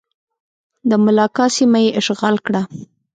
د ملاکا سیمه یې اشغال کړه.